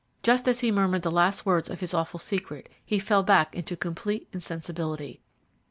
Just as he murmured the last words of his awful secret he fell back into complete insensibility.